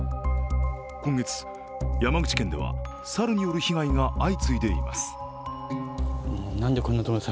今月、山口県では猿による被害が相次いでいます。